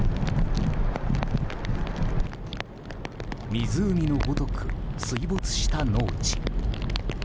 湖のごとく水没した農地。